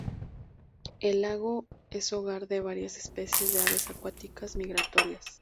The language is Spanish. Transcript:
El lago es el hogar de varias especies de aves acuáticas migratorias.